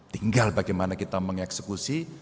tinggal bagaimana kita mengeksekusi